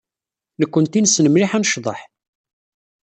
Nekkenti nessen mliḥ ad necḍeḥ.